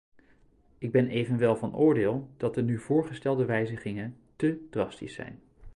Ik ben evenwel van oordeel dat de nu voorgestelde wijzigingen te drastisch zijn.